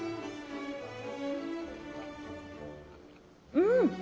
うん。